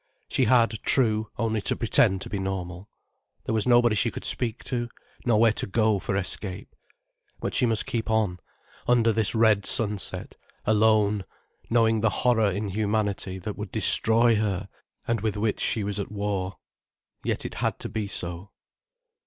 She had, true, only to pretend to be normal. There was nobody she could speak to, nowhere to go for escape. But she must keep on, under this red sunset, alone, knowing the horror in humanity, that would destroy her, and with which she was at war. Yet it had to be so.